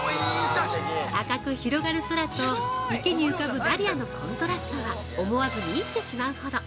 赤く広がる空と池に浮かぶダリアのコントラストは、思わず見入ってしまうほど！